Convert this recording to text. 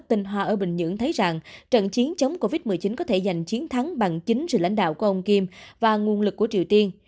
trận chiến chống covid một mươi chín có thể giành chiến thắng bằng chính sự lãnh đạo của ông kim và nguồn lực của triều tiên